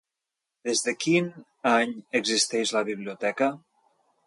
Des de quin any existeix la biblioteca?